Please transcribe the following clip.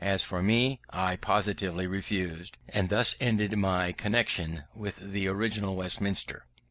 As for me, I positively refused. And thus ended my connexion with the original Westminster.